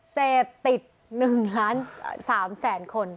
เสพติด๑๓ล้านคน